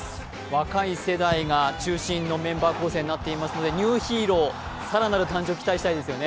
若い世代が中心のメンバー構成になっているのでニューヒーロー更なる誕生に期待したいですね。